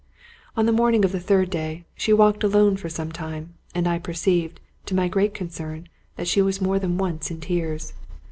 On the morning of the third day, she walked alone for some time, and I perceived, to my great concern, that she was more than once in tears.